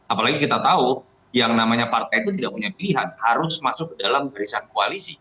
apalagi kita tahu yang namanya partai itu tidak punya pilihan harus masuk ke dalam barisan koalisi